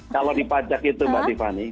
kalau di pajak itu mbak tiffany